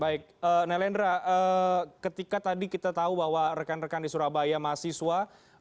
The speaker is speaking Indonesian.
baik nalendra ketika tadi kita tahu bahwa rekan rekan di surabaya mahasiswa